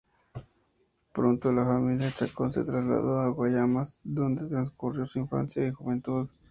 Pronto, la familia Chacón se trasladó a Guaymas, donde transcurrió su infancia y juventud.